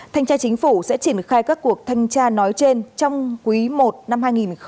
thanh tra chính phủ sẽ triển khai các cuộc thanh tra nói trên trong quý i năm hai nghìn hai mươi